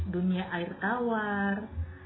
dunia air tawar